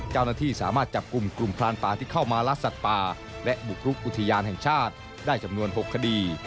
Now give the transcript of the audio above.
เจ้าหน้าที่สามารถจับกลุ่มกลุ่มพรานป่าที่เข้ามารักสัตว์ป่าและบุกรุกอุทยานแห่งชาติได้จำนวน๖คดี